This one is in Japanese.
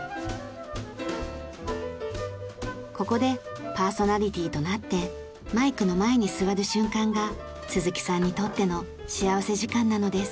ここでパーソナリティとなってマイクの前に座る瞬間が鈴木さんにとっての幸福時間なのです。